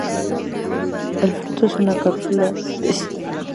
El fruto es una cápsula dehiscente, que contiene semillas de color negro.